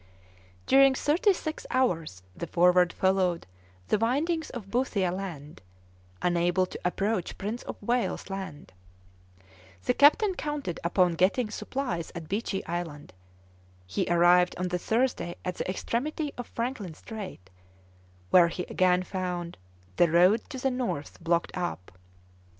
During thirty six hours the Forward followed the windings of Boothia Land, unable to approach Prince of Wales's Land; the captain counted upon getting supplies at Beechey Island; he arrived on the Thursday at the extremity of Franklin Strait, where he again found the road to the north blocked up.